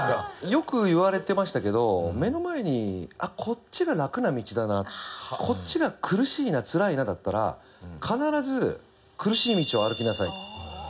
よく言われてましたけど目の前にあっこっちが楽な道だなこっちが苦しいなつらいなだったら必ず苦しい道を歩きなさい。